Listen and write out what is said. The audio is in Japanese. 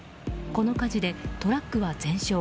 この火事でトラックは全焼。